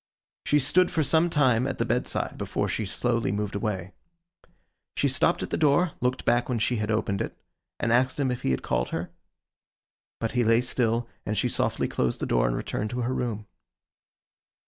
She stood for some time at the bedside before she slowly moved away. She stopped at the door, looked back when she had opened it, and asked him if he had called her? But he lay still, and she softly closed the door and returned to her room.